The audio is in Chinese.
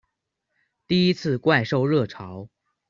第一次怪兽热潮